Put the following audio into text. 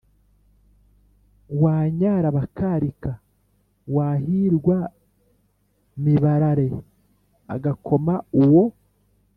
wanyara bakarika/ wahirwa mibarare agakoma » uwo